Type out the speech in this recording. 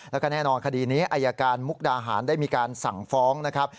แล้วก็แน่นอนคดีนี้อายการมุกดาหารได้มีการสั่งฟ้องนะครับ